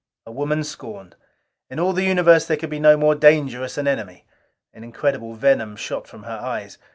A woman scorned! In all the universe there could be no more dangerous an enemy. An incredible venom shot from her eyes.